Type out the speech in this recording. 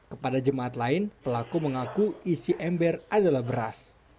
kepada jemaat lain pelaku mengaku isi ember adalah beras